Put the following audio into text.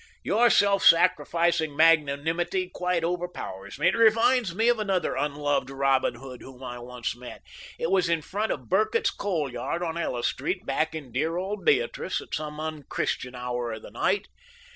Your self sacrificing magnanimity quite overpowers me. It reminds me of another unloved Robin Hood whom I once met. It was in front of Burket's coal yard on Ella Street, back in dear old Beatrice, at some unchristian hour of the night.